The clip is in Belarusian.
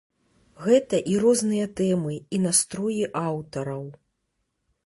Гэта і розныя тэмы і настроі аўтараў.